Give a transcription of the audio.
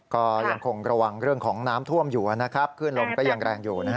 ก็ยังคงระวังเรื่องของน้ำท่วมอยู่นะครับขึ้นลมก็ยังแรงอยู่นะฮะ